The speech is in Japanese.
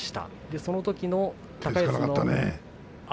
そのときの高安足。